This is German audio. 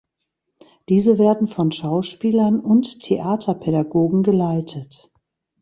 Diese werden von Schauspielern und Theaterpädagogen geleitet.